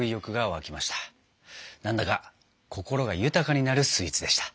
何だか心が豊かになるスイーツでした。